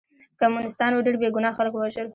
کمونستانو ډېر بې ګناه خلک ووژل